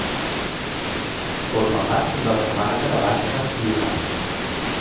Forma part de la comarca de Bassa Friülana.